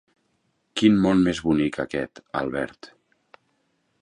Quin món més bonic aquest, Albert.